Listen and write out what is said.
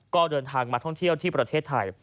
ก็เดินทางมาท่องเที่ยวที่ประเทศไทย